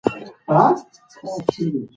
هغه وویل چې پښتو زما د کلتور نښه ده.